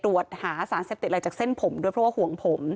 ตรวจหาสารเสพติดอะไรจากเส้นผมด้วยเพราะว่าห่วงผม